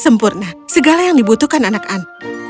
sempurna segala yang dibutuhkan anak an